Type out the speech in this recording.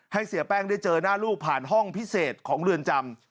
เสียแป้งได้เจอหน้าลูกผ่านห้องพิเศษของเรือนจำ